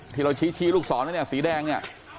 ที่เราชี้ลูกศรไว้เนี่ยสีแดงเนี่ย